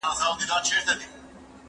زه اجازه لرم چي سبزېجات جمع کړم!